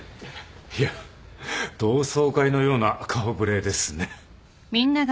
いや同窓会のような顔ぶれですね。